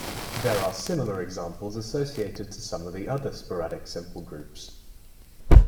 There are similar examples associated to some of the other sporadic simple groups.